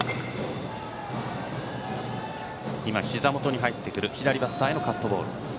ひざ元に入ってくる左バッターへのカットボール。